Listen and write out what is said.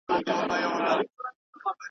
ور په یاد یې د دوږخ کړل عذابونه.